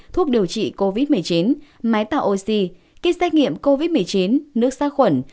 thuốc điều trị covid một mươi chín máy tạo oxy kit xét nghiệm covid một mươi chín nước sát khuẩn